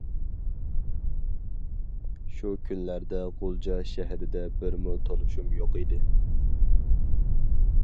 شۇ كۈنلەردە غۇلجا شەھىرىدە بىرمۇ تونۇشۇم يوق ئىدى.